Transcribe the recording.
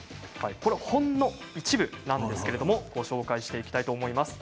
ほんの一部なんですけれどご紹介していきたいと思います。